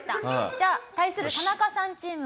じゃあ対する田中さんチームは？